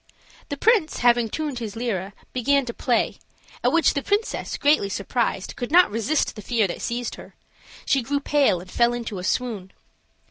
The prince having tuned his lyre, began to play; at which the princess, greatly surprised, could not resist the fear that seized her; she grew pale and fell into a swoon.